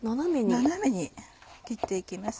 斜めに切って行きます。